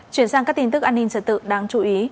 chuyển sang các tin tức an ninh trật tự đáng chú ý